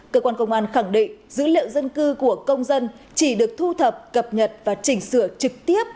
cơ quan công an khẳng định dữ liệu dân cư của công dân chỉ được thu thập cập nhật và chỉnh sửa trực tiếp